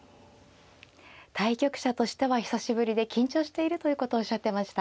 対局者としては久しぶりで緊張しているということをおっしゃってました。